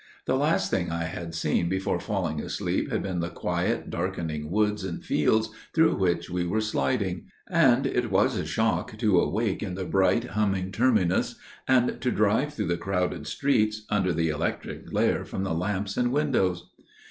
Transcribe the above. The last thing I had seen before falling asleep had been the quiet darkening woods and fields through which we were sliding, and it was a shock to awake in the bright humming terminus and to drive through the crowded streets, under the electric glare from the lamps and windows.